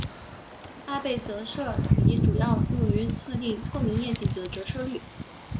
阿贝折射仪主要用于测定透明液体的折射率。